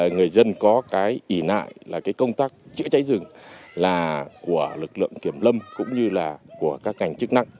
người dân có cái ý nại là cái công tác chữa cháy rừng là của lực lượng kiểm lâm cũng như là của các ngành chức năng